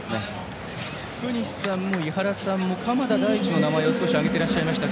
福西さんも井原さんも鎌田大地の名前を挙げていらっしゃいました。